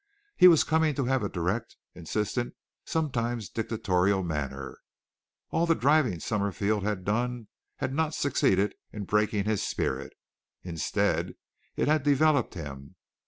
He was coming to have a direct, insistent, sometimes dictatorial manner. All the driving Summerfield had done had not succeeded in breaking his spirit. Instead, it had developed him.